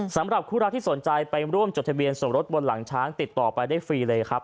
สำหรับคู่รักที่สนใจไปร่วมจดทะเบียนสมรสบนหลังช้างติดต่อไปได้ฟรีเลยครับ